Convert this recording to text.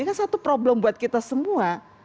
ini kan satu problem buat kita semua